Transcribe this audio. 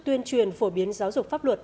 tuyên truyền phổ biến giáo dục pháp luật